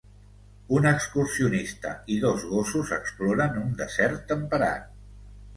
Un excursionista i dos gossos exploren un desert temperat.